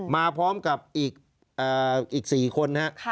มาพร้อมกับอีก๔คนนะครับ